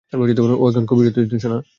ও এখন খুব উত্তেজিত, সোনা।